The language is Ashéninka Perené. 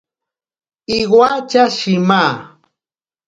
Iwatya shima.